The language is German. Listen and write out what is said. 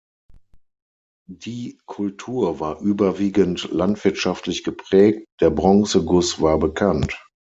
Die Kultur war überwiegend landwirtschaftlich geprägt, der Bronzeguss war bekannt.